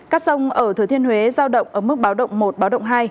các sông ở thừa thiên huế giao động ở mức báo động một báo động hai